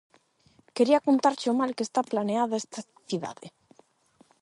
Quería contarche o mal que está planeada esta cidade.